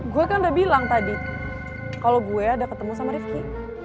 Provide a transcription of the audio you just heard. gue kan udah bilang tadi kalau gue ada ketemu sama rifki